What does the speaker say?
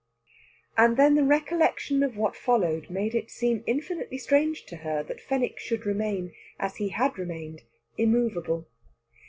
And then the recollection of what followed made it seem infinitely strange to her that Fenwick should remain, as he had remained, immovable.